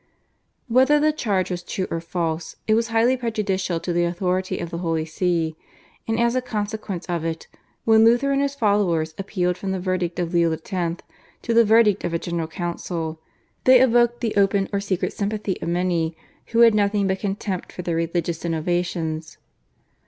Whether the charge was true or false it was highly prejudicial to the authority of the Holy See, and as a consequence of it, when Luther and his followers appealed from the verdict of Leo X. to the verdict of a General Council, they evoked the open or secret sympathy of many, who had nothing but contempt for their religious innovations.